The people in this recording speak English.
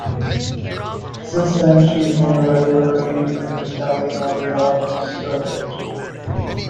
Since then she became a regular in the telenovela circuit.